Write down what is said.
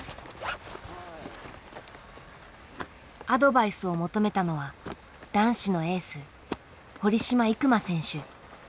アドバイスを求めたのは男子のエース堀島行真選手。